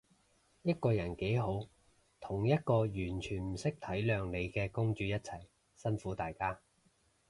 一個人幾好，同一個完全唔識體諒你嘅公主一齊，辛苦大家